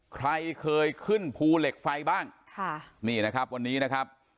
ใครเคยขึ้นภูเหล็กไฟบ้างค่ะนี่นะครับวันนี้นะครับ